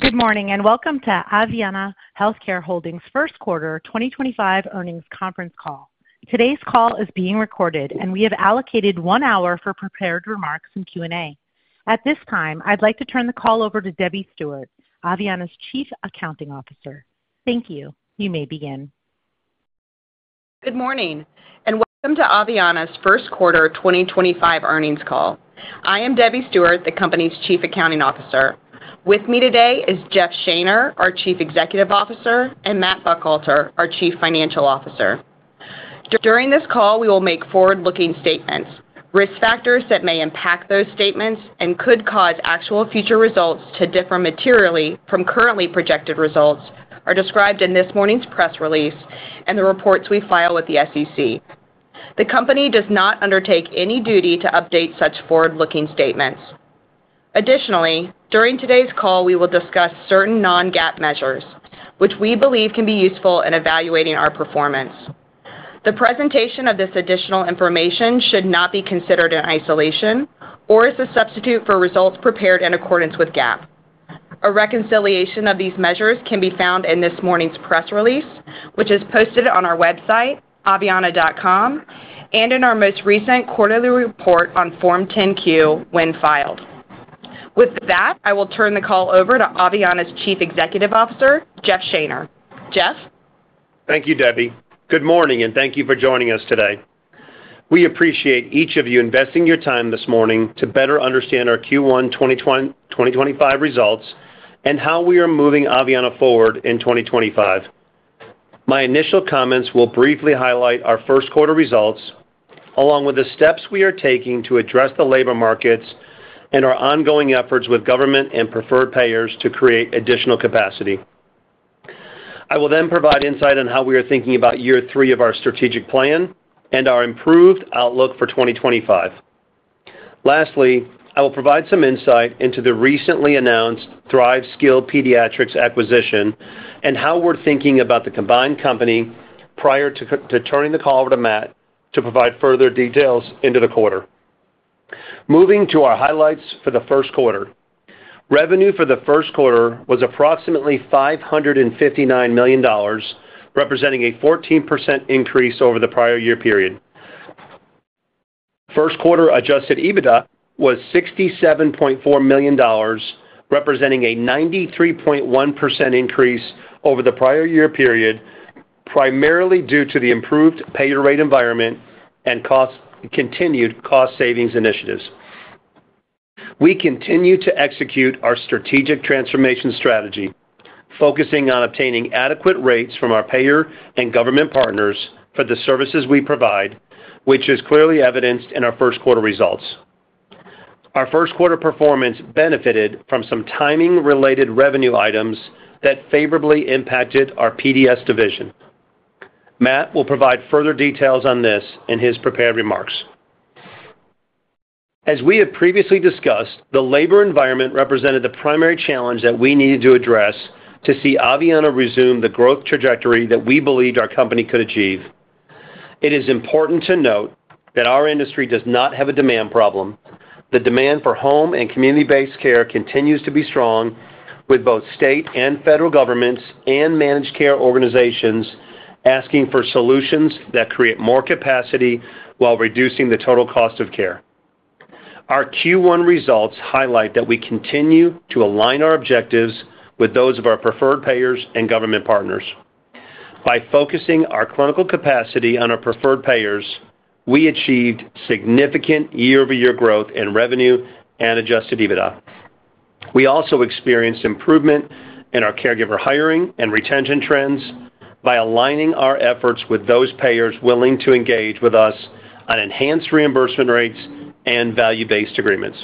Good morning and welcome to Aveanna Healthcare Holdings' first quarter 2025 earnings conference call. Today's call is being recorded, and we have allocated one hour for prepared remarks and Q&A. At this time, I'd like to turn the call over to Debbie Stewart, Aveanna's Chief Accounting Officer. Thank you. You may begin. Good morning and welcome to Aveanna's first quarter 2025 earnings call. I am Debbie Stewart, the company's Chief Accounting Officer. With me today is Jeff Shaner, our Chief Executive Officer, and Matt Buckhalter, our Chief Financial Officer. During this call, we will make forward-looking statements. Risk factors that may impact those statements and could cause actual future results to differ materially from currently projected results are described in this morning's press release and the reports we file with the SEC. The company does not undertake any duty to update such forward-looking statements. Additionally, during today's call, we will discuss certain non-GAAP measures, which we believe can be useful in evaluating our performance. The presentation of this additional information should not be considered in isolation or as a substitute for results prepared in accordance with GAAP. A reconciliation of these measures can be found in this morning's press release, which is posted on our website, aveanna.com, and in our most recent quarterly report on Form 10Q when filed. With that, I will turn the call over to Aveanna's Chief Executive Officer, Jeff Shaner. Jeff? Thank you, Debbie. Good morning and thank you for joining us today. We appreciate each of you investing your time this morning to better understand our Q1 2025 results and how we are moving Aveanna forward in 2025. My initial comments will briefly highlight our first quarter results, along with the steps we are taking to address the labor markets and our ongoing efforts with government and preferred payers to create additional capacity. I will then provide insight on how we are thinking about year 3 of our strategic plan and our improved outlook for 2025. Lastly, I will provide some insight into the recently announced Thrive Skilled Pediatric Care acquisition and how we're thinking about the combined company prior to turning the call over to Matt to provide further details into the quarter. Moving to our highlights for the first quarter. Revenue for the first quarter was approximately $559 million, representing a 14% increase over the prior year period. First quarter adjusted EBITDA was $67.4 million, representing a 93.1% increase over the prior year period, primarily due to the improved pay rate environment and continued cost savings initiatives. We continue to execute our strategic transformation strategy, focusing on obtaining adequate rates from our payer and government partners for the services we provide, which is clearly evidenced in our first quarter results. Our first quarter performance benefited from some timing-related revenue items that favorably impacted our PDS division. Matt will provide further details on this in his prepared remarks. As we have previously discussed, the labor environment represented the primary challenge that we needed to address to see Aveanna resume the growth trajectory that we believed our company could achieve. It is important to note that our industry does not have a demand problem. The demand for home and community-based care continues to be strong, with both state and federal governments and managed care organizations asking for solutions that create more capacity while reducing the total cost of care. Our Q1 results highlight that we continue to align our objectives with those of our preferred payers and government partners. By focusing our clinical capacity on our preferred payers, we achieved significant year-over-year growth in revenue and adjusted EBITDA. We also experienced improvement in our caregiver hiring and retention trends by aligning our efforts with those payers willing to engage with us on enhanced reimbursement rates and value-based agreements.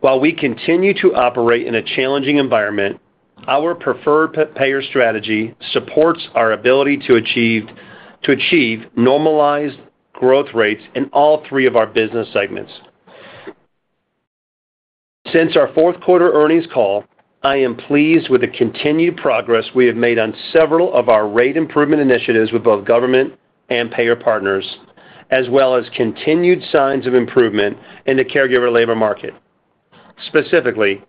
While we continue to operate in a challenging environment, our preferred payer strategy supports our ability to achieve normalized growth rates in all 3 of our business segments. Since our fourth quarter earnings call, I am pleased with the continued progress we have made on several of our rate improvement initiatives with both government and payer partners, as well as continued signs of improvement in the caregiver labor market. Specifically,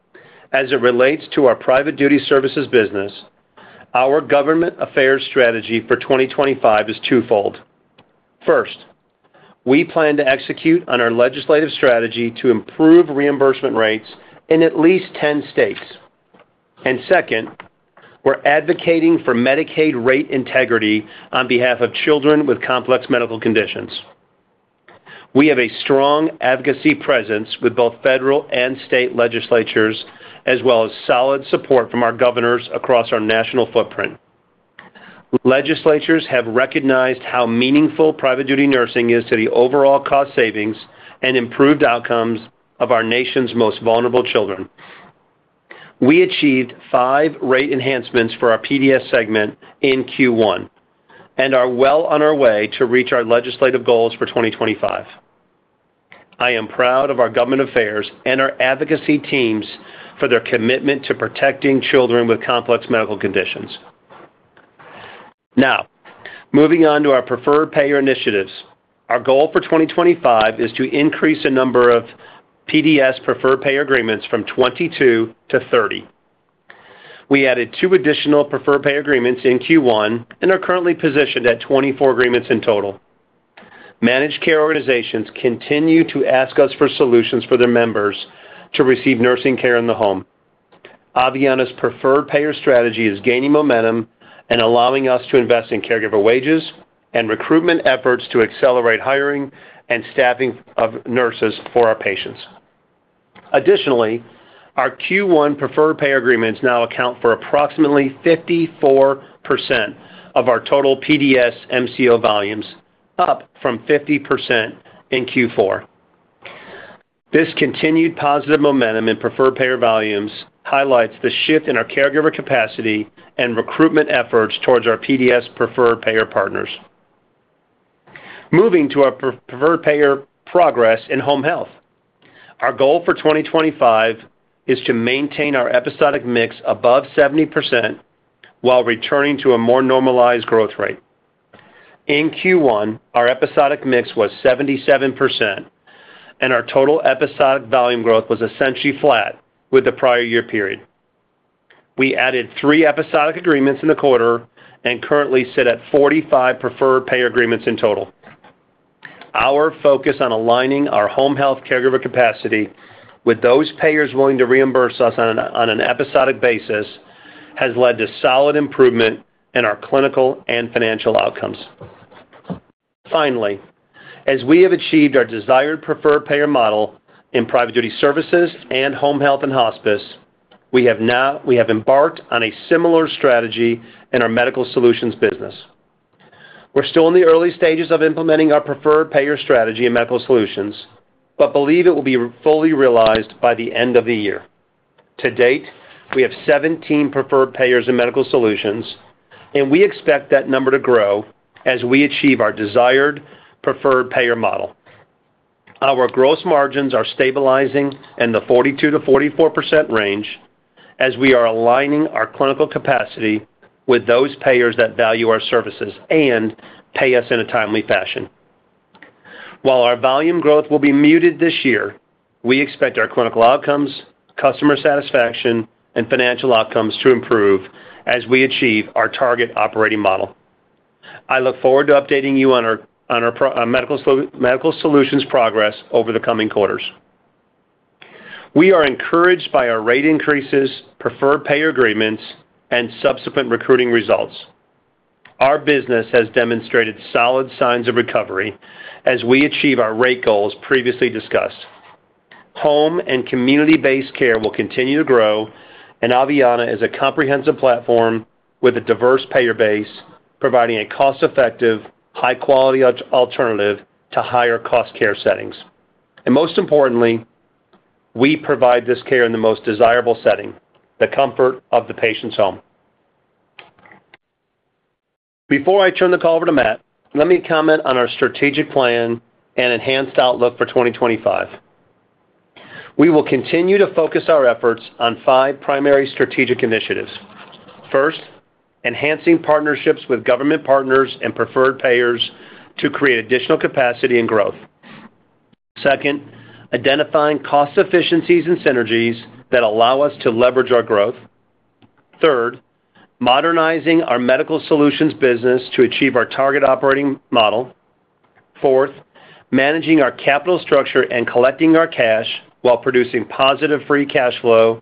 as it relates to our Private Duty Services business, our government affairs strategy for 2025 is twofold. First, we plan to execute on our legislative strategy to improve reimbursement rates in at least 10 states. Second, we're advocating for Medicaid rate integrity on behalf of children with complex medical conditions. We have a strong advocacy presence with both federal and state legislatures, as well as solid support from our governors across our national footprint. Legislatures have recognized how meaningful private duty nursing is to the overall cost savings and improved outcomes of our nation's most vulnerable children. We achieved 5 rate enhancements for our PDS segment in Q1 and are well on our way to reach our legislative goals for 2025. I am proud of our government affairs and our advocacy teams for their commitment to protecting children with complex medical conditions. Now, moving on to our preferred payer initiatives, our goal for 2025 is to increase the number of PDS preferred payer agreements from 22 to 30. We added 2 additional preferred payer agreements in Q1 and are currently positioned at 24 agreements in total. Managed care organizations continue to ask us for solutions for their members to receive nursing care in the home. Aveanna's preferred payer strategy is gaining momentum and allowing us to invest in caregiver wages and recruitment efforts to accelerate hiring and staffing of nurses for our patients. Additionally, our Q1 preferred payer agreements now account for approximately 54% of our total PDS MCO volumes, up from 50% in Q4. This continued positive momentum in preferred payer volumes highlights the shift in our caregiver capacity and recruitment efforts towards our PDS preferred payer partners. Moving to our preferred payer progress in home health, our goal for 2025 is to maintain our episodic mix above 70% while returning to a more normalized growth rate. In Q1, our episodic mix was 77%, and our total episodic volume growth was essentially flat with the prior year period. We added 3 episodic agreements in the quarter and currently sit at 45 preferred payer agreements in total. Our focus on aligning our home health caregiver capacity with those payers willing to reimburse us on an episodic basis has led to solid improvement in our clinical and financial outcomes. Finally, as we have achieved our desired preferred payer model in Private Home Health and Hospice, we have embarked on a similar strategy in our Medical Solutions business. We're still in the early stages of implementing our preferred payer strategy in Medical Solutions, but believe it will be fully realized by the end of the year. To date, we have 17 preferred payers in Medical Solutions, and we expect that number to grow as we achieve our desired preferred payer model. Our gross margins are stabilizing in the 42-44% range as we are aligning our clinical capacity with those payers that value our services and pay us in a timely fashion. While our volume growth will be muted this year, we expect our clinical outcomes, customer satisfaction, and financial outcomes to improve as we achieve our target operating model. I look forward to updating you on our medical solutions progress over the coming quarters. We are encouraged by our rate increases, preferred payer agreements, and subsequent recruiting results. Our business has demonstrated solid signs of recovery as we achieve our rate goals previously discussed. Home and community-based care will continue to grow, and Aveanna is a comprehensive platform with a diverse payer base, providing a cost-effective, high-quality alternative to higher-cost care settings. Most importantly, we provide this care in the most desirable setting, the comfort of the patient's home. Before I turn the call over to Matt, let me comment on our strategic plan and enhanced outlook for 2025. We will continue to focus our efforts on 5 primary strategic initiatives. First, enhancing partnerships with government partners and preferred payers to create additional capacity and growth. Second, identifying cost efficiencies and synergies that allow us to leverage our growth. Third, modernizing our Medical Solutions business to achieve our target operating model. Fourth, managing our capital structure and collecting our cash while producing positive free cash flow.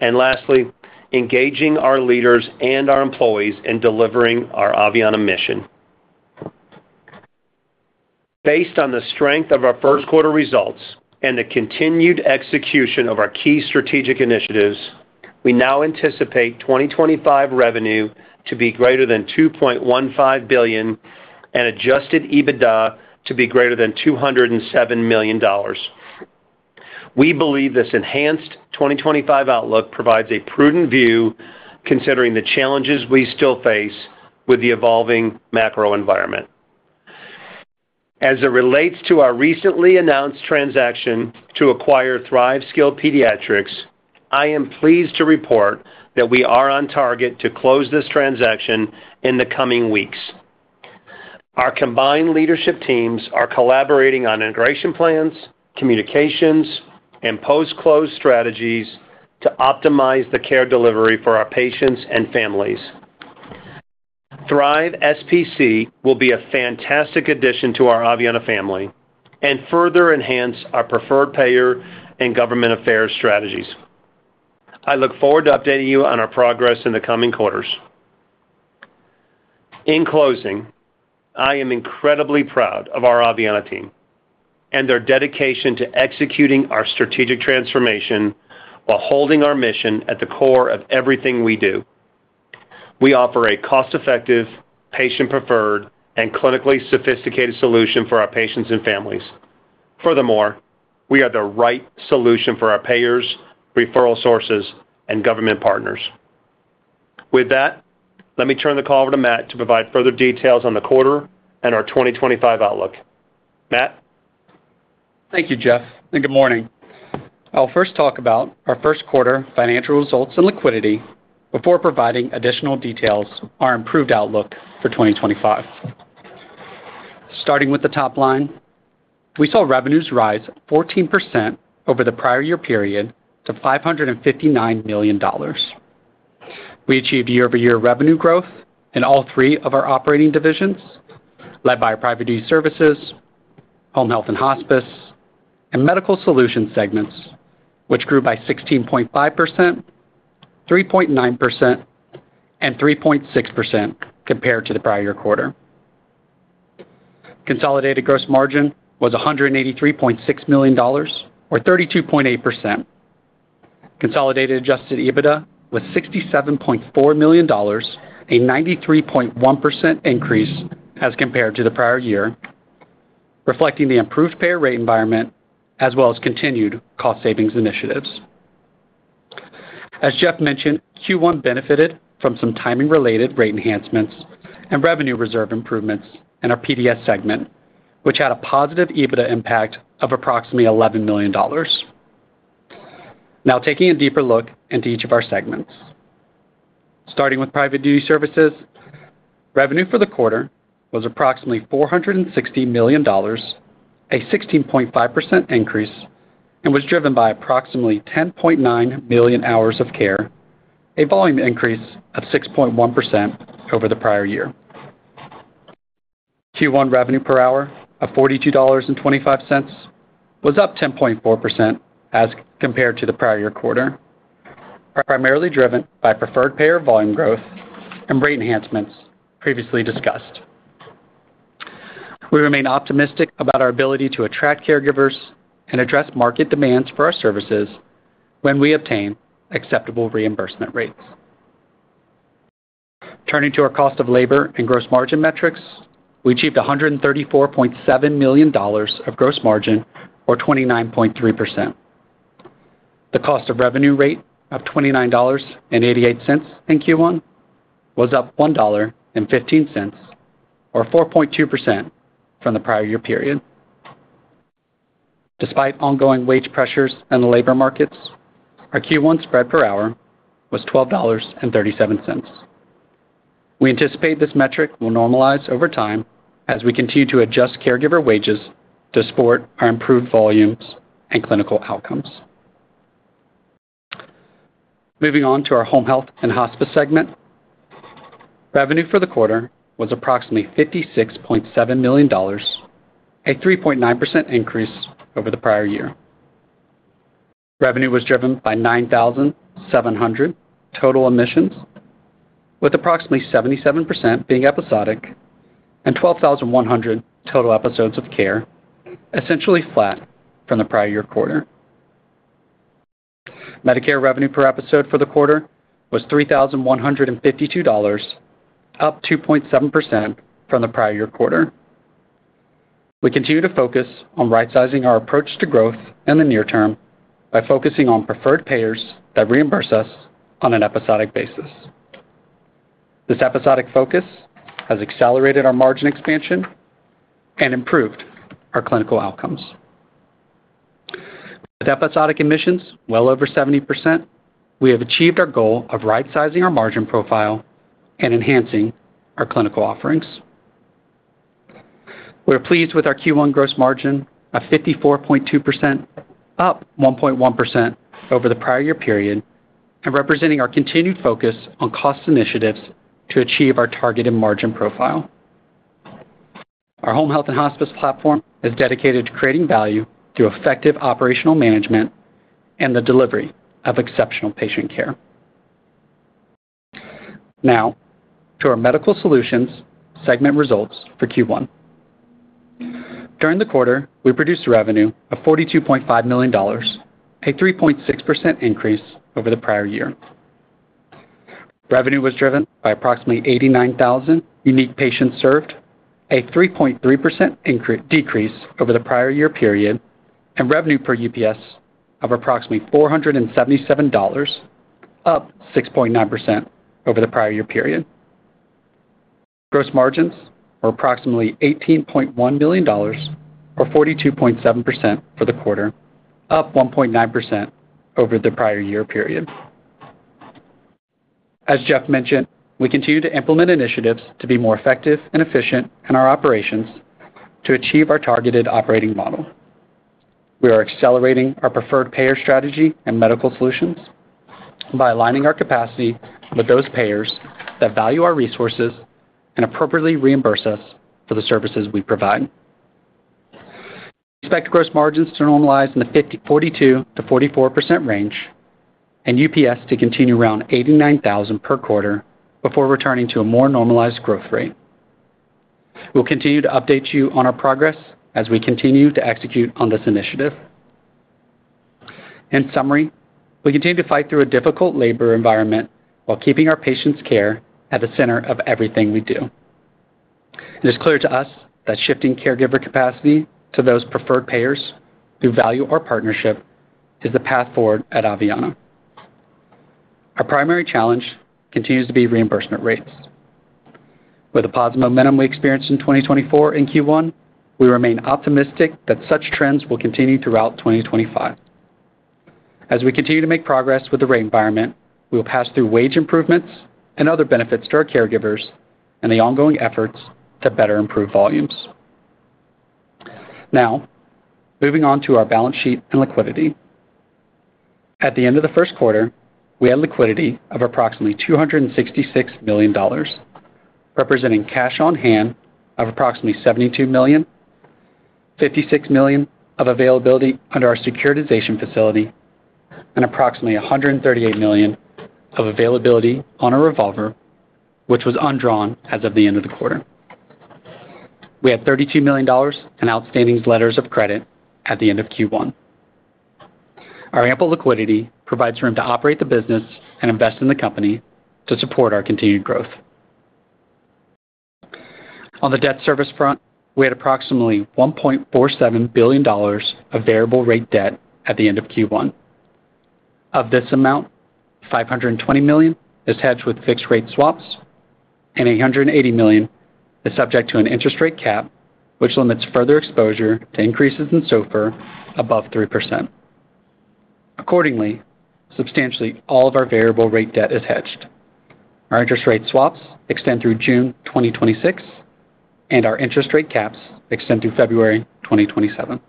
Lastly, engaging our leaders and our employees in delivering our Aveanna mission. Based on the strength of our first quarter results and the continued execution of our key strategic initiatives, we now anticipate 2025 revenue to be greater than $2.15 billion and adjusted EBITDA to be greater than $207 million. We believe this enhanced 2025 outlook provides a prudent view, considering the challenges we still face with the evolving macro environment. As it relates to our recently announced transaction to acquire Thrive Skilled Pediatric Care, I am pleased to report that we are on target to close this transaction in the coming weeks. Our combined leadership teams are collaborating on integration plans, communications, and post-close strategies to optimize the care delivery for our patients and families. ThriveSPC will be a fantastic addition to our Aveanna family and further enhance our preferred payer and government affairs strategies. I look forward to updating you on our progress in the coming quarters. In closing, I am incredibly proud of our Aveanna team and their dedication to executing our strategic transformation while holding our mission at the core of everything we do. We offer a cost-effective, patient-preferred, and clinically sophisticated solution for our patients and families. Furthermore, we are the right solution for our payers, referral sources, and government partners. With that, let me turn the call over to Matt to provide further details on the quarter and our 2025 outlook. Matt. Thank you, Jeff. Good morning. I'll first talk about our first quarter financial results and liquidity before providing additional details on our improved outlook for 2025. Starting with the top line, we saw revenues rise 14% over the prior year period to $559 million. We achieved year-over-year revenue growth in all 3 of our operating divisions, led by our Home Health and Hospice, and medical solutions segments, which grew by 16.5%, 3.9%, and 3.6% compared to the prior quarter. Consolidated gross margin was $183.6 million, or 32.8%. Consolidated adjusted EBITDA was $67.4 million, a 93.1% increase as compared to the prior year, reflecting the improved pay rate environment as well as continued cost savings initiatives. As Jeff mentioned, Q1 benefited from some timing-related rate enhancements and revenue reserve improvements in our PDS segment, which had a positive EBITDA impact of approximately $11 million. Now, taking a deeper look into each of our segments, starting with private duty services, revenue for the quarter was approximately $460 million, a 16.5% increase, and was driven by approximately 10.9 million hours of care, a volume increase of 6.1% over the prior year. Q1 revenue per hour of $42.25 was up 10.4% as compared to the prior year quarter, primarily driven by preferred payer volume growth and rate enhancements previously discussed. We remain optimistic about our ability to attract caregivers and address market demands for our services when we obtain acceptable reimbursement rates. Turning to our cost of labor and gross margin metrics, we achieved $134.7 million of gross margin, or 29.3%. The cost of revenue rate of $29.88 in Q1 was up $1.15, or 4.2% from the prior year period. Despite ongoing wage pressures in the labor markets, our Q1 spread per hour was $12.37. We anticipate this metric will normalize over time as we continue to adjust caregiver wages to support our improved volumes and clinical outcomes. Moving Home Health and Hospice segment, revenue for the quarter was approximately $56.7 million, a 3.9% increase over the prior year. Revenue was driven by 9,700 total admissions, with approximately 77% being episodic and 12,100 total episodes of care, essentially flat from the prior year quarter. Medicare revenue per episode for the quarter was $3,152, up 2.7% from the prior year quarter. We continue to focus on right-sizing our approach to growth in the near term by focusing on preferred payers that reimburse us on an episodic basis. This episodic focus has accelerated our margin expansion and improved our clinical outcomes. With episodic admissions well over 70%, we have achieved our goal of right-sizing our margin profile and enhancing our clinical offerings. We're pleased with our Q1 gross margin of 54.2%, up 1.1% over the prior year period, and representing our continued focus on cost initiatives to achieve our targeted Home Health and Hospice platform is dedicated to creating value through effective operational management and the delivery of exceptional patient care. Now, to our Medical Solutions segment results for Q1. During the quarter, we produced revenue of $42.5 million, a 3.6% increase over the prior year. Revenue was driven by approximately 89,000 unique patients served, a 3.3% decrease over the prior year period, and revenue per UPS of approximately $477, up 6.9% over the prior year period. Gross margins were approximately $18.1 million, or 42.7% for the quarter, up 1.9% over the prior year period. As Jeff mentioned, we continue to implement initiatives to be more effective and efficient in our operations to achieve our targeted operating model. We are accelerating our preferred payer strategy and medical solutions by aligning our capacity with those payers that value our resources and appropriately reimburse us for the services we provide. We expect gross margins to normalize in the 42%-44% range and UPS to continue around 89,000 per quarter before returning to a more normalized growth rate. We'll continue to update you on our progress as we continue to execute on this initiative. In summary, we continue to fight through a difficult labor environment while keeping our patients' care at the center of everything we do. It is clear to us that shifting caregiver capacity to those preferred payers through value or partnership is the path forward at Aveanna. Our primary challenge continues to be reimbursement rates. With the positive momentum we experienced in 2024 in Q1, we remain optimistic that such trends will continue throughout 2025. As we continue to make progress with the rate environment, we will pass through wage improvements and other benefits to our caregivers and the ongoing efforts to better improve volumes. Now, moving on to our balance sheet and liquidity. At the end of the first quarter, we had liquidity of approximately $266 million, representing cash on hand of approximately $72 million, $56 million of availability under our securitization facility, and approximately $138 million of availability on a revolver, which was undrawn as of the end of the quarter. We had $32 million in outstanding letters of credit at the end of Q1. Our ample liquidity provides room to operate the business and invest in the company to support our continued growth. On the debt service front, we had approximately $1.47 billion of variable rate debt at the end of Q1. Of this amount, $520 million is hedged with fixed rate swaps, and $880 million is subject to an interest rate cap, which limits further exposure to increases in SOFR above 3%. Accordingly, substantially all of our variable rate debt is hedged. Our interest rate swaps extend through June 2026, and our interest rate caps extend through February 2027.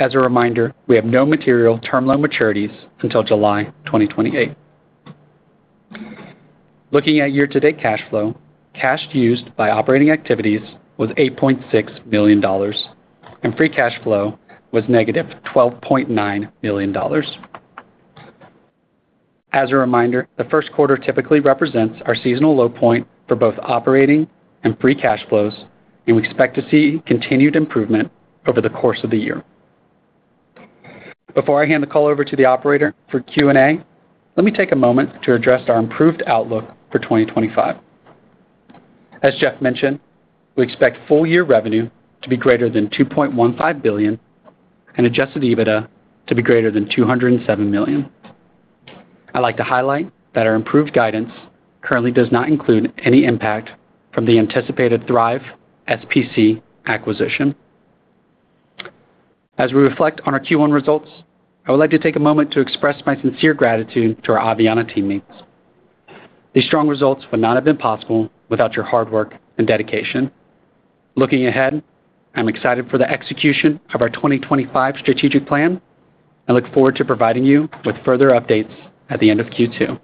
As a reminder, we have no material term loan maturities until July 2028. Looking at year-to-date cash flow, cash used by operating activities was $8.6 million, and free cash flow was negative $12.9 million. As a reminder, the first quarter typically represents our seasonal low point for both operating and free cash flows, and we expect to see continued improvement over the course of the year. Before I hand the call over to the operator for Q&A, let me take a moment to address our improved outlook for 2025. As Jeff mentioned, we expect full year revenue to be greater than $2.15 billion and adjusted EBITDA to be greater than $207 million. I'd like to highlight that our improved guidance currently does not include any impact from the anticipated Thrive Skilled Pediatric Care acquisition. As we reflect on our Q1 results, I would like to take a moment to express my sincere gratitude to our Aveanna teammates. These strong results would not have been possible without your hard work and dedication. Looking ahead, I'm excited for the execution of our 2025 strategic plan and look forward to providing you with further updates at the end of Q2.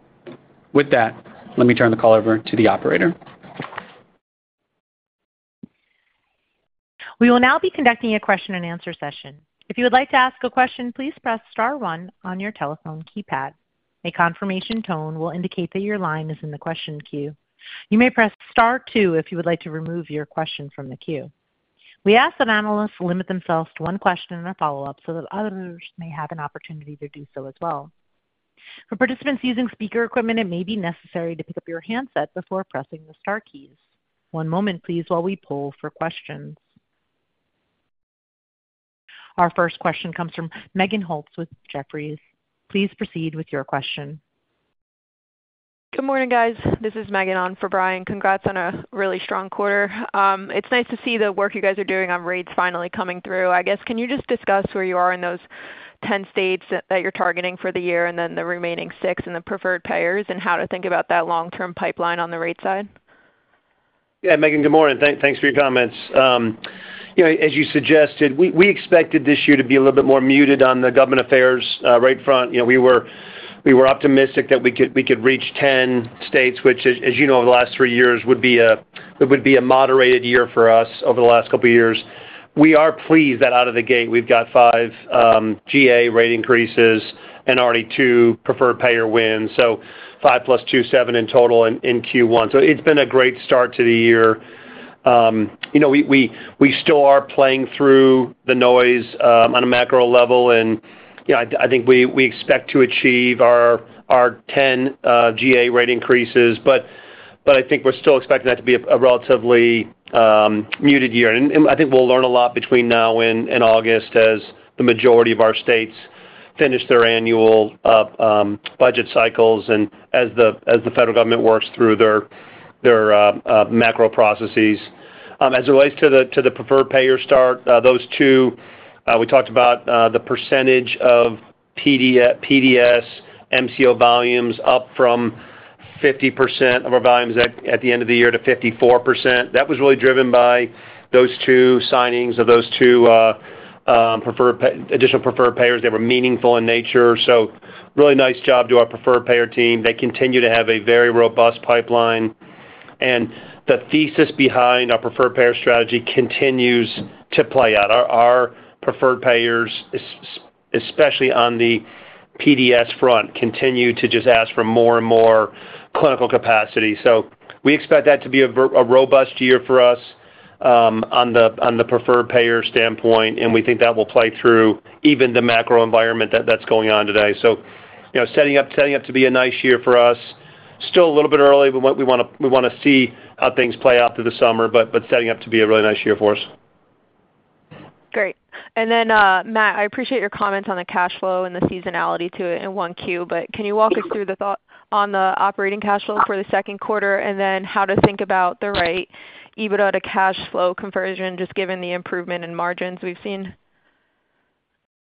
With that, let me turn the call over to the operator. We will now be conducting a question-and-answer session. If you would like to ask a question, please press Star 1 on your telephone keypad. A confirmation tone will indicate that your line is in the question queue. You may press Star 2 if you would like to remove your question from the queue. We ask that analysts limit themselves to one question and a follow-up so that others may have an opportunity to do so as well. For participants using speaker equipment, it may be necessary to pick up your handset before pressing the Star keys. One moment, please, while we pull for questions. Our first question comes from Meghan Holtz with Jefferies. Please proceed with your question. Good morning, guys. This is Megan on for Brian. Congrats on a really strong quarter. It's nice to see the work you guys are doing on rates finally coming through. I guess, can you just discuss where you are in those 10 states that you're targeting for the year and then the remaining 6 and the preferred payers and how to think about that long-term pipeline on the rate side? Yeah, Megan, good morning. Thanks for your comments. As you suggested, we expected this year to be a little bit more muted on the government affairs rate front. We were optimistic that we could reach 10 states, which, as you know, over the last 3 years would be a moderated year for us over the last couple of years. We are pleased that out of the gate, we've got 5 GA rate increases and already 2 preferred payer wins. So 5 plus 2, 7 in total in Q1. It has been a great start to the year. We still are playing through the noise on a macro level, and I think we expect to achieve our 10 GA rate increases, but I think we're still expecting that to be a relatively muted year. I think we'll learn a lot between now and August as the majority of our states finish their annual budget cycles and as the federal government works through their macro processes. As it relates to the preferred payer start, those 2, we talked about the percentage of PDS/MCO volumes up from 50% of our volumes at the end of the year to 54%. That was really driven by those 2 signings of those 2 additional preferred payers. They were meaningful in nature. Really nice job to our preferred payer team. They continue to have a very robust pipeline, and the thesis behind our preferred payer strategy continues to play out. Our preferred payers, especially on the PDS front, continue to just ask for more and more clinical capacity. We expect that to be a robust year for us on the preferred payer standpoint, and we think that will play through even the macro environment that's going on today. Setting up to be a nice year for us. Still a little bit early, but we want to see how things play out through the summer, but setting up to be a really nice year for us. Great. Matt, I appreciate your comments on the cash flow and the seasonality to it in one Q, but can you walk us through the thought on the operating cash flow for the second quarter and then how to think about the right EBITDA to cash flow conversion just given the improvement in margins we've seen?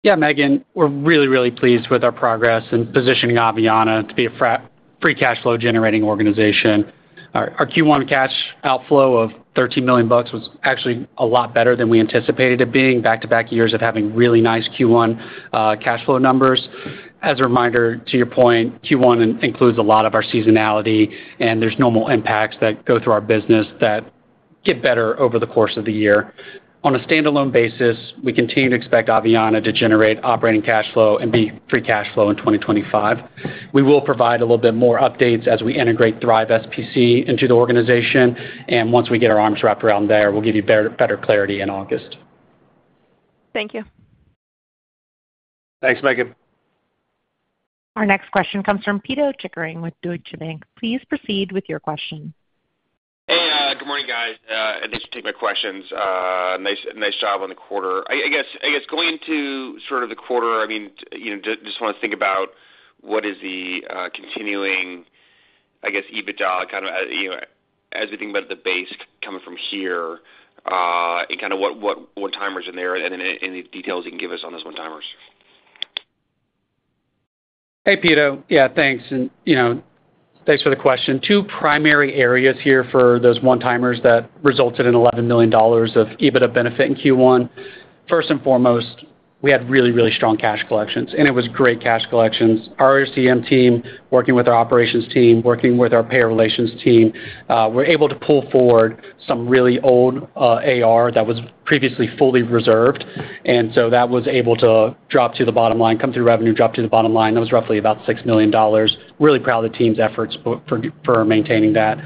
Yeah, Megan, we're really, really pleased with our progress in positioning Aveanna to be a free cash flow generating organization. Our Q1 cash outflow of $13 million was actually a lot better than we anticipated it being back-to-back years of having really nice Q1 cash flow numbers. As a reminder, to your point, Q1 includes a lot of our seasonality, and there's normal impacts that go through our business that get better over the course of the year. On a standalone basis, we continue to expect Aveanna to generate operating cash flow and be free cash flow in 2025. We will provide a little bit more updates as we integrate Thrive Skilled Pediatric Care into the organization, and once we get our arms wrapped around there, we'll give you better clarity in August. Thank you. Thanks, Megan. Our next question comes from Pito Chickering with Deutsche Bank. Please proceed with your question. Hey, good morning, guys. Thanks for taking my questions. Nice job on the quarter. I guess going into sort of the quarter, I mean, just want to think about what is the continuing, I guess, EBITDA kind of as we think about the base coming from here and kind of one-timers in there and any details you can give us on those one-timers. Hey, Pito. Yeah, thanks. And thanks for the question. 2 primary areas here for those one-timers that resulted in $11 million of EBITDA benefit in Q1. First and foremost, we had really, really strong cash collections, and it was great cash collections. Our RCM team working with our operations team, working with our payer relations team, were able to pull forward some really old AR that was previously fully reserved, and so that was able to drop to the bottom line, come through revenue, drop to the bottom line. That was roughly about $6 million. Really proud of the team's efforts for maintaining that.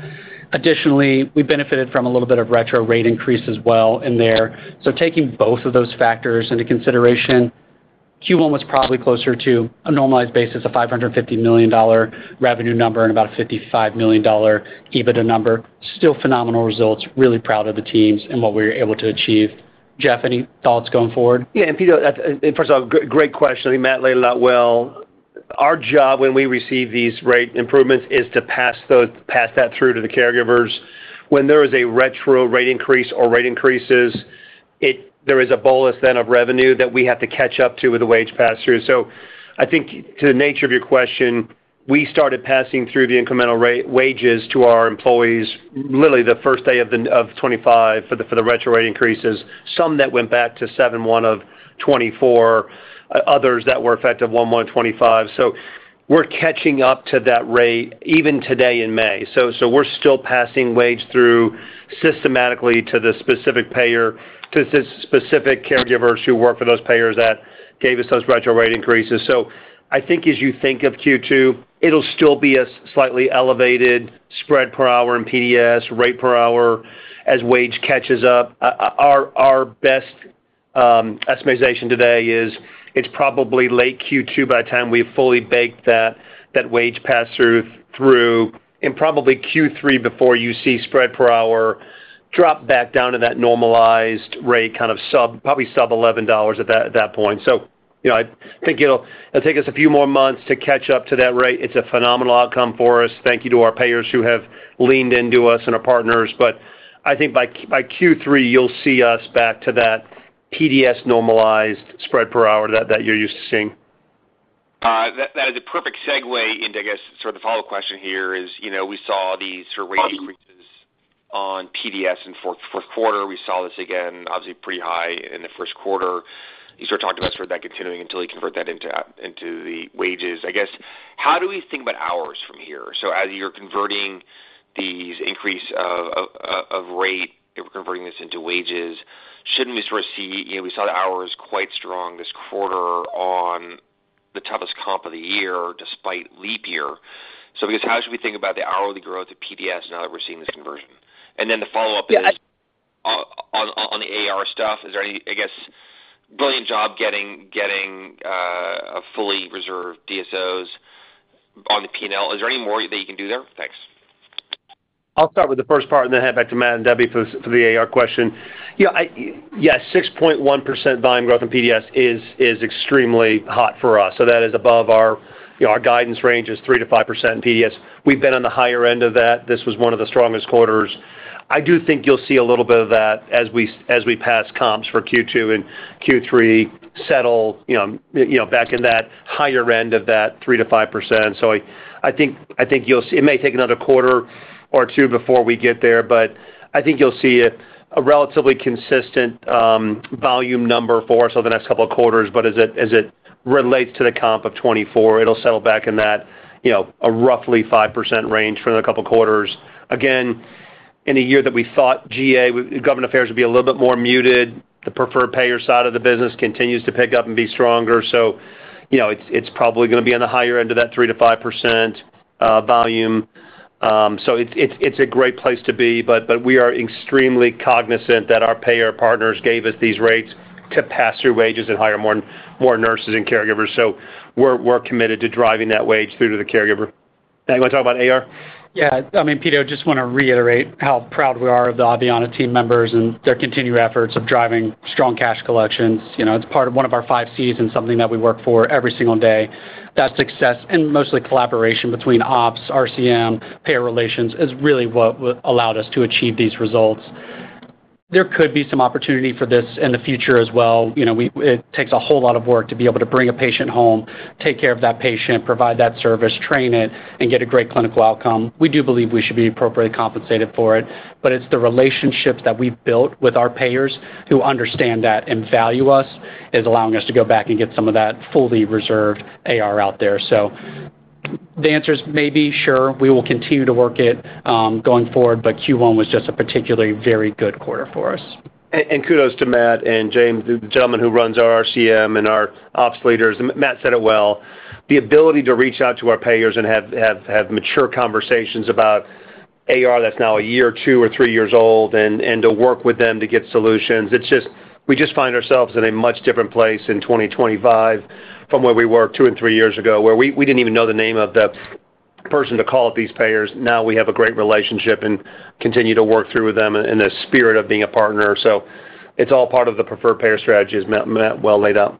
Additionally, we benefited from a little bit of retro rate increase as well in there. Taking both of those factors into consideration, Q1 was probably closer to a normalized basis of $550 million revenue number and about a $55 million EBITDA number. Still phenomenal results. Really proud of the teams and what we were able to achieve. Jeff, any thoughts going forward? Yeah, and Peter, first of all, great question. I think Matt laid it out well. Our job when we receive these rate improvements is to pass that through to the caregivers. When there is a retro rate increase or rate increases, there is a bolus then of revenue that we have to catch up to with the wage pass-through. I think to the nature of your question, we started passing through the incremental wages to our employees literally the first day of 2025 for the retro rate increases. Some that went back to July 1, 2024, others that were effective November 1, 2025. We are catching up to that rate even today in May. We're still passing wage through systematically to the specific caregivers who work for those payers that gave us those retro rate increases. I think as you think of Q2, it'll still be a slightly elevated spread per hour in PDS, rate per hour as wage catches up. Our best estimation today is it's probably late Q2 by the time we've fully baked that wage pass-through through and probably Q3 before you see spread per hour drop back down to that normalized rate, kind of probably sub $11 at that point. I think it'll take us a few more months to catch up to that rate. It's a phenomenal outcome for us. Thank you to our payers who have leaned into us and our partners. I think by Q3, you'll see us back to that PDS normalized spread per hour that you're used to seeing. That is a perfect segue into, I guess, sort of the follow-up question here. We saw these sort of rate increases on PDS in the fourth quarter. We saw this again, obviously, pretty high in the first quarter. You start talking about sort of that continuing until you convert that into the wages. I guess, how do we think about hours from here? As you're converting these increases of rate, if we're converting this into wages, shouldn't we sort of see—we saw the hours quite strong this quarter on the toughest comp of the year despite leap year. I guess, how should we think about the hourly growth of PDS now that we're seeing this conversion? The follow-up is on the AR stuff. Is there any, I guess, brilliant job getting fully reserved DSOs on the P&L? Is there any more that you can do there? Thanks. I'll start with the first part and then head back to Matt and Debbie for the AR question. Yeah, 6.1% volume growth in PDS is extremely hot for us. That is above our guidance range, which is 3-5% in PDS. We've been on the higher end of that. This was one of the strongest quarters. I do think you'll see a little bit of that as we pass comps for Q2 and Q3 settle back in that higher end of that 3-5%. I think it may take another quarter or 2 before we get there, but I think you'll see a relatively consistent volume number for us over the next couple of quarters. As it relates to the comp of 2024, it'll settle back in that roughly 5% range for the couple of quarters. Again, in a year that we thought government affairs would be a little bit more muted, the preferred payer side of the business continues to pick up and be stronger. It is probably going to be on the higher end of that 3-5% volume. It is a great place to be, but we are extremely cognizant that our payer partners gave us these rates to pass through wages and hire more nurses and caregivers. We are committed to driving that wage through to the caregiver. Anyone talk about AR? Yeah. I mean, Peter, I just want to reiterate how proud we are of the Aveanna team members and their continued efforts of driving strong cash collections. It is part of one of our 5 C's and something that we work for every single day. That success and mostly collaboration between ops, RCM, payer relations is really what allowed us to achieve these results. There could be some opportunity for this in the future as well. It takes a whole lot of work to be able to bring a patient home, take care of that patient, provide that service, train it, and get a great clinical outcome. We do believe we should be appropriately compensated for it, but it is the relationships that we have built with our payers who understand that and value us that is allowing us to go back and get some of that fully reserved AR out there. The answer is maybe, sure, we will continue to work it going forward, but Q1 was just a particularly very good quarter for us. Kudos to Matt and James, the gentleman who runs our RCM, and our ops leaders. Matt said it well. The ability to reach out to our payers and have mature conversations about AR that's now a year, 2, or 3 years old and to work with them to get solutions. We just find ourselves in a much different place in 2025 from where we were 2 and 3 years ago where we didn't even know the name of the person to call up these payers. Now we have a great relationship and continue to work through with them in the spirit of being a partner. It is all part of the preferred payer strategy as Matt well laid out.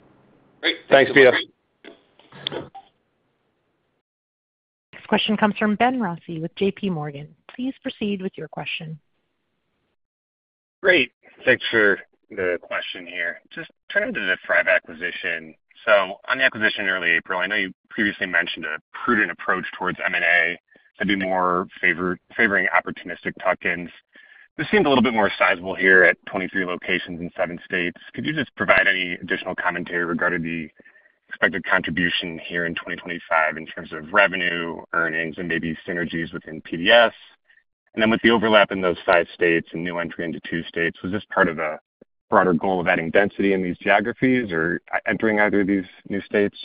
Great. Thanks, Peter. Next question comes from Ben Rossi with JPMorgan. Please proceed with your question. Great. Thanks for the question here. Just turning to the Thrive acquisition. On the acquisition in early April, I know you previously mentioned a prudent approach towards M&A to be more favoring opportunistic tuck-ins. This seemed a little bit more sizable here at 23 locations in 7 states. Could you just provide any additional commentary regarding the expected contribution here in 2025 in terms of revenue, earnings, and maybe synergies within PDS? With the overlap in those 5 states and new entry into 2 states, was this part of a broader goal of adding density in these geographies or entering either of these new states?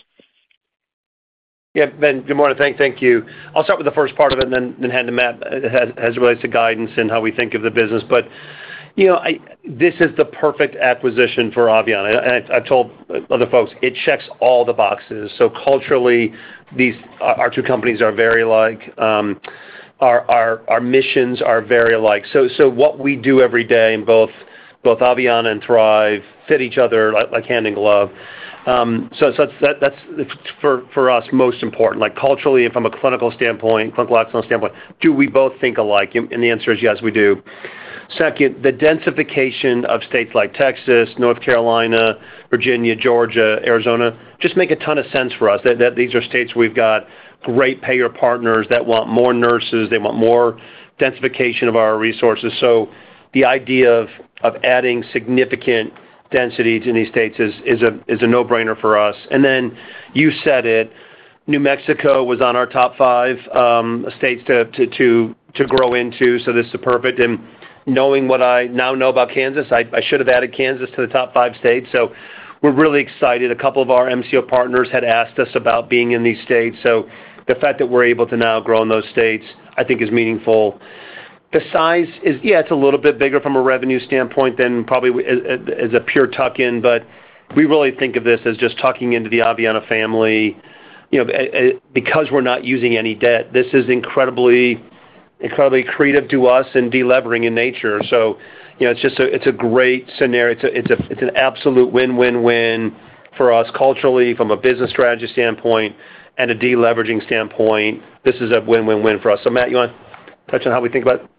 Yeah, Ben, good morning. Thank you. I'll start with the first part of it and then hand it to Matt as it relates to guidance and how we think of the business. This is the perfect acquisition for Aveanna. I've told other folks it checks all the boxes. Culturally, our 2 companies are very alike. Our missions are very alike. What we do every day in both Aveanna and Thrive fit each other like hand in glove. That's for us most important. Culturally, from a clinical standpoint, clinical excellence standpoint, do we both think alike? The answer is yes, we do. Second, the densification of states like Texas, North Carolina, Virginia, Georgia, Arizona just make a ton of sense for us. These are states where we've got great payer partners that want more nurses. They want more densification of our resources. The idea of adding significant density to these states is a no-brainer for us. You said it. New Mexico was on our top 5 states to grow into. This is perfect. Knowing what I now know about Kansas, I should have added Kansas to the top 5 states. We're really excited. A couple of our MCO partners had asked us about being in these states. The fact that we're able to now grow in those states, I think, is meaningful. The size is, yeah, it's a little bit bigger from a revenue standpoint than probably as a pure tuck-in, but we really think of this as just tucking into the Aveanna family because we're not using any debt. This is incredibly creative to us and deleveraging in nature. It's a great scenario. It's an absolute win-win-win for us culturally from a business strategy standpoint and a deleveraging standpoint. This is a win-win-win for us. Matt, you want to touch on how we think about guidance?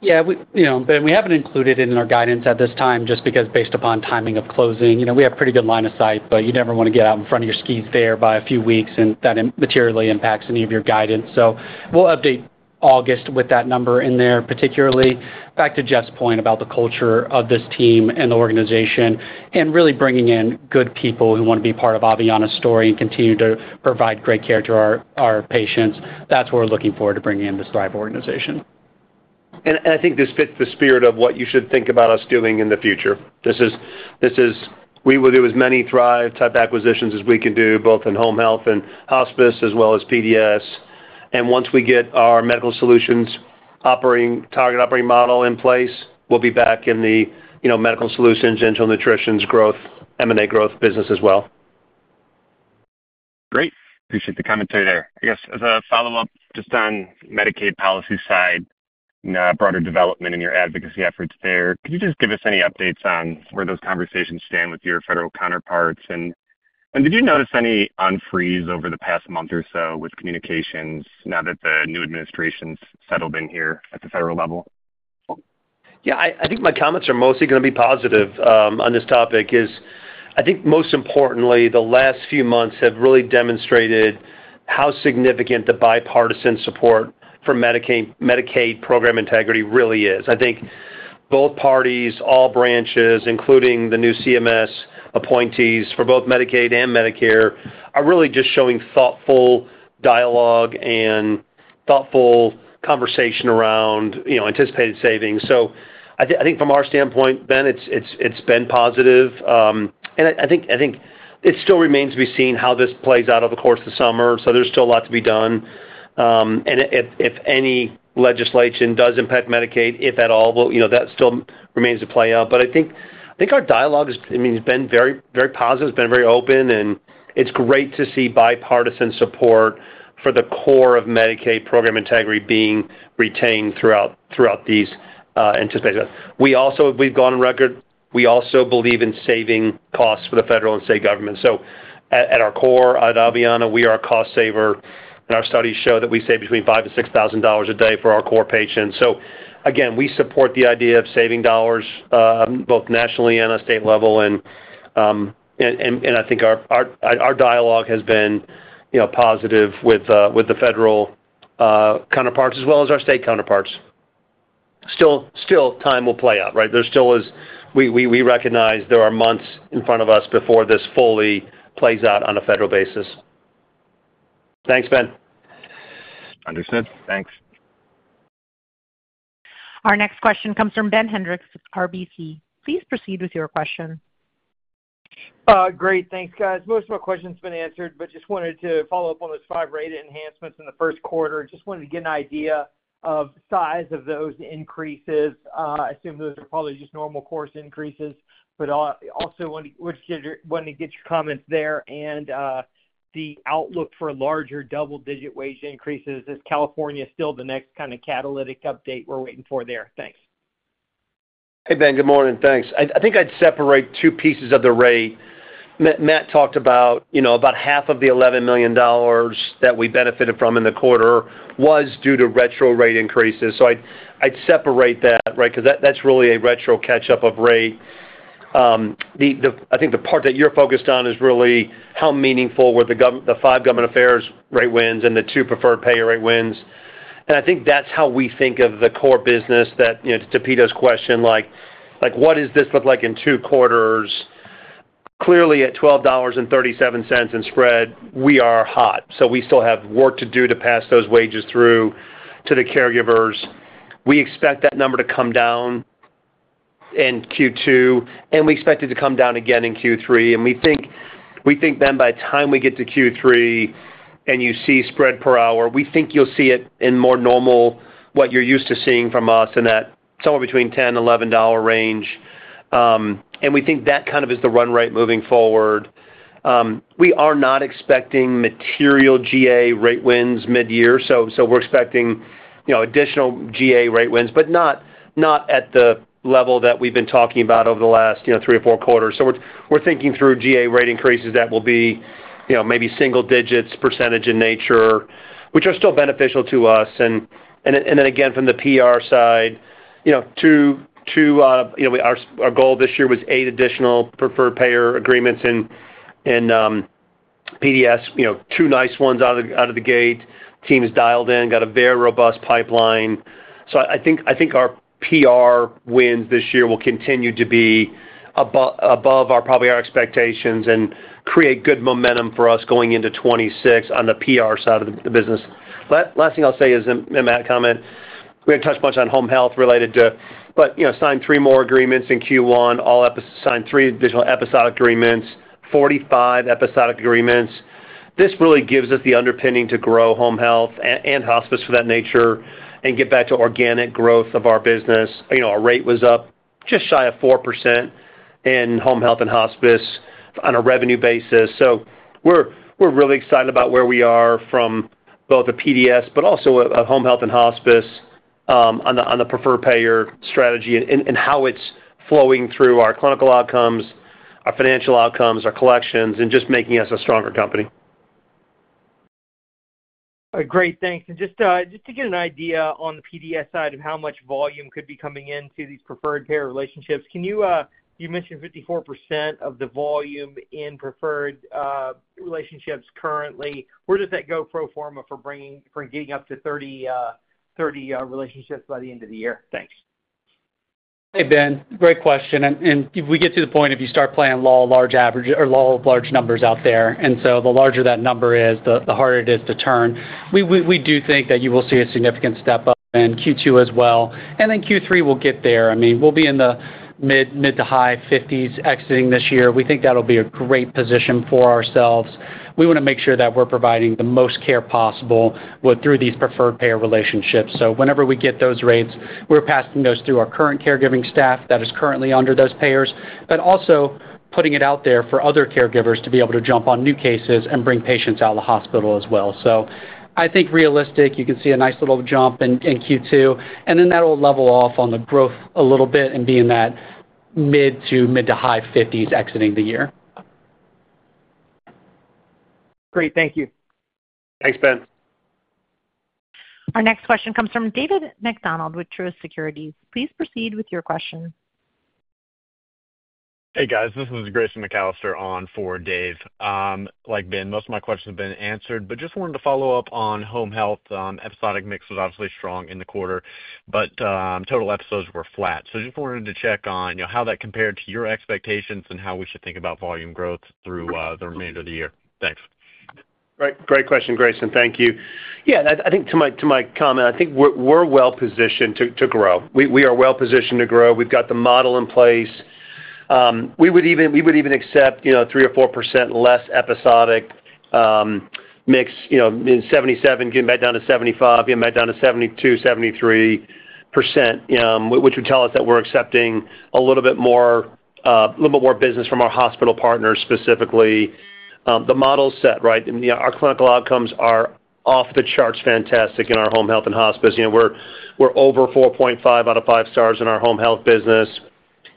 Yeah. Ben, we haven't included it in our guidance at this time just because based upon timing of closing, we have pretty good line of sight, but you never want to get out in front of your skis there by a few weeks, and that materially impacts any of your guidance. We'll update August with that number in there, particularly back to Jeff's point about the culture of this team and the organization and really bringing in good people who want to be part of Aveanna's story and continue to provide great care to our patients. That's what we're looking forward to bringing into the Thrive organization. I think this fits the spirit of what you should think about us doing in the future. This is we will do as many Thrive-type acquisitions as we can Home Health and Hospice as well as PDS. Once we get our medical solutions target operating model in place, we'll be back in the medical solutions, dental nutritions, M&A growth business as well. Great. Appreciate the commentary there. I guess as a follow-up, just on Medicaid policy side and broader development in your advocacy efforts there, could you just give us any updates on where those conversations stand with your federal counterparts? Did you notice any unfreeze over the past month or so with communications now that the new administration's settled in here at the federal level? Yeah. I think my comments are mostly going to be positive on this topic. I think most importantly, the last few months have really demonstrated how significant the bipartisan support for Medicaid program integrity really is. I think both parties, all branches, including the new CMS appointees for both Medicaid and Medicare, are really just showing thoughtful dialogue and thoughtful conversation around anticipated savings. I think from our standpoint, Ben, it has been positive. I think it still remains to be seen how this plays out over the course of the summer. There is still a lot to be done. If any legislation does impact Medicaid, if at all, that still remains to play out. I think our dialogue has been very positive. It has been very open. It is great to see bipartisan support for the core of Medicaid program integrity being retained throughout these anticipated. We've gone on record. We also believe in saving costs for the federal and state government. At our core at Aveanna, we are a cost saver. Our studies show that we save between $5,000 and $6,000 a day for our core patients. We support the idea of saving dollars both nationally and on the state level. I think our dialogue has been positive with the federal counterparts as well as our state counterparts. Still, time will play out, right? We recognize there are months in front of us before this fully plays out on a federal basis. Thanks, Ben. Understood. Thanks. Our next question comes from Ben Hendrix, RBC. Please proceed with your question. Great. Thanks, guys. Most of my questions have been answered, but just wanted to follow up on those 5 rate enhancements in the first quarter. Just wanted to get an idea of the size of those increases. I assume those are probably just normal course increases, but also wanted to get your comments there and the outlook for larger double-digit wage increases. Is California still the next kind of catalytic update we're waiting for there? Thanks. Hey, Ben. Good morning. Thanks. I think I'd separate 2 pieces of the rate. Matt talked about about half of the $11 million that we benefited from in the quarter was due to retro rate increases. I'd separate that, right, because that's really a retro catch-up of rate. I think the part that you're focused on is really how meaningful were the 5 government affairs rate wins and the 2 preferred payer rate wins. I think that's how we think of the core business that to Pito's question, what does this look like in two quarters? Clearly, at $12.37 in spread, we are hot. We still have work to do to pass those wages through to the caregivers. We expect that number to come down in Q2, and we expect it to come down again in Q3. We think, Ben, by the time we get to Q3 and you see spread per hour, we think you'll see it in more normal what you're used to seeing from us in that somewhere between $10-$11 range. We think that kind of is the run rate moving forward. We are not expecting material GA rate wins mid-year. We are expecting additional GA rate wins, but not at the level that we've been talking about over the last three or four quarters. We are thinking through GA rate increases that will be maybe single digits, % in nature, which are still beneficial to us. From the PR side, our goal this year was 8 additional preferred payer agreements in PDS, 2 nice ones out of the gate. Teams dialed in, got a very robust pipeline. I think our PR wins this year will continue to be above probably our expectations and create good momentum for us going into 2026 on the PR side of the business. Last thing I'll say is a comment. We haven't touched much on home health related to, but signed 3 more agreements in Q1, signed 3 additional episodic agreements, 45 episodic agreements. This really gives us the Home Health and Hospice for that nature and get back to organic growth of our business. Our rate was up just shy Home Health and Hospice on a revenue basis. We're really excited about where we are from both the PDS, Home Health and Hospice on the preferred payer strategy and how it's flowing through our clinical outcomes, our financial outcomes, our collections, and just making us a stronger company. Great. Thanks. Just to get an idea on the PDS side of how much volume could be coming into these preferred payer relationships, you mentioned 54% of the volume in preferred relationships currently. Where does that go pro forma for getting up to 30 relationships by the end of the year? Thanks. Hey, Ben. Great question. You get to the point if you start playing low or large numbers out there. The larger that number is, the harder it is to turn. We do think that you will see a significant step up in Q2 as well. I mean, Q3, we'll get there. We'll be in the mid to high 50s exiting this year. We think that'll be a great position for ourselves. We want to make sure that we're providing the most care possible through these preferred payer relationships. Whenever we get those rates, we're passing those through our current caregiving staff that is currently under those payers, but also putting it out there for other caregivers to be able to jump on new cases and bring patients out of the hospital as well. I think realistic, you can see a nice little jump in Q2, and then that will level off on the growth a little bit and be in that mid to high 50% exiting the year. Great. Thank you. Thanks, Ben. Our next question comes from Grayson McAlister with Truist Securities. Please proceed with your question. Hey, guys. This is Grayson McAllister on for Dave. Like Ben, most of my questions have been answered, but just wanted to follow up on home health. Episodic mix was obviously strong in the quarter, but total episodes were flat. So just wanted to check on how that compared to your expectations and how we should think about volume growth through the remainder of the year. Thanks. Great question, Grayson. Thank you. Yeah. I think to my comment, I think we're well-positioned to grow. We are well-positioned to grow. We've got the model in place. We would even accept 3% or 4% less episodic mix in 1977, getting back down to 75%, getting back down to 72%, 73%, which would tell us that we're accepting a little bit more business from our hospital partners specifically. The model set, right? Our clinical outcomes are off the charts Home Health and Hospice. We're over 4.5 out of 5 stars in our home health business.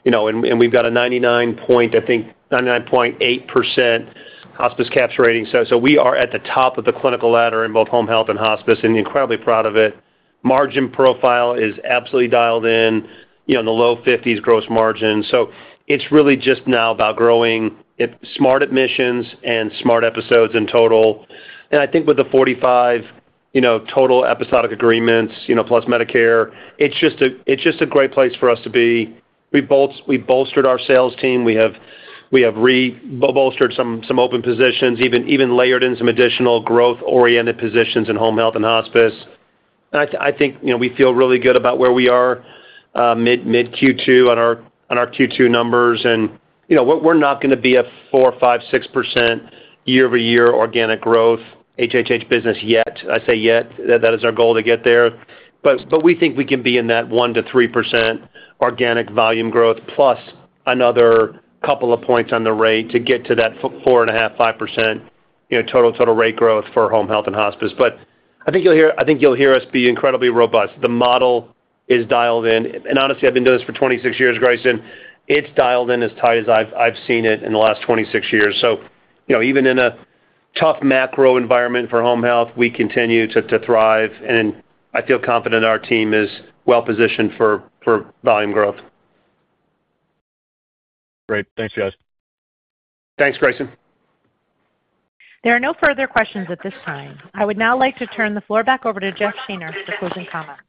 We've got a 99.8% hospice caps rating. We are at the top of the clinical Home Health and Hospice and incredibly proud of it. Margin profile is absolutely dialed in, in the low 50% gross margin. It is really just now about growing smart admissions and smart episodes in total. I think with the 45 total episodic agreements plus Medicare, it is just a great place for us to be. We bolstered our sales team. We have re-bolstered some open positions, even layered in some additional growth-oriented positions in Home Health and Hospice. I think we feel really good about where we are mid-Q2 on our Q2 numbers. We are not going to be a 4-6% year-over-year organic growth HHH business yet. I say yet. That is our goal to get there. We think we can be in that 1-3% organic volume growth plus another couple of points on the rate to get to that 4.5-5% total rate growth for Home Health and Hospice. I think you will hear us be incredibly robust. The model is dialed in. Honestly, I have been doing this for 26 years, Grayson. It is dialed in as tight as I have seen it in the last 26 years. Even in a tough macro environment for home health, we continue to thrive. I feel confident our team is well-positioned for volume growth. Great. Thanks, guys. Thanks, Grayson. There are no further questions at this time. I would now like to turn the floor back over to Jeff Shaner to close in comments.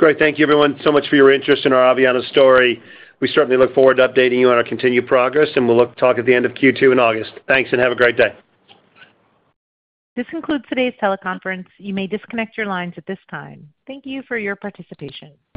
Great. Thank you, everyone, so much for your interest in our Aveanna story. We certainly look forward to updating you on our continued progress, and we'll talk at the end of Q2 in August. Thanks, and have a great day. This concludes today's teleconference. You may disconnect your lines at this time. Thank you for your participation.